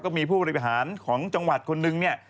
ผู้บริหารของจังหวัดคนนึงเนี่ย